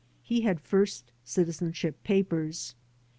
He had first citizenship papers.